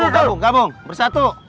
gabung gabung bersatu